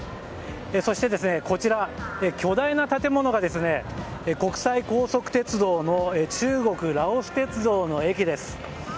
そして、巨大な建物が国際高速鉄道の中国ラオス鉄道の駅です。